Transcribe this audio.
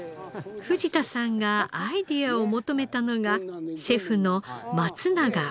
藤田さんがアイデアを求めたのがシェフの松永和之さんです。